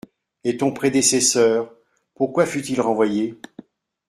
Et ton prédécesseur, pourquoi fut-il renvoyé ?